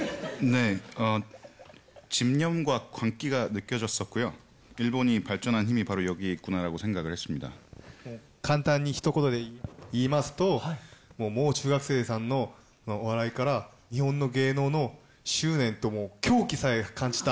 韓国語簡単にひと言で言いますともう中学生さんのお笑いから日本の芸能の執念ともう狂気さえ感じた。